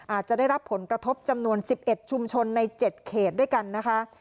อาจจะได้รับผลกระทบจำนวน๑๑ชุมชนใน๗เขตด้วยกันนะคะ